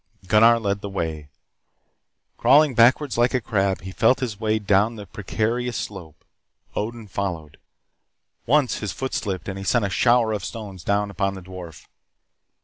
Gunnar led the way. Crawling backwards like a crab, he felt his way down the precarious slope. Odin followed. Once his foot slipped and he sent a shower of stones down upon the dwarf.